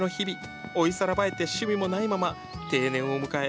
老いさらばえて趣味もないまま定年を迎え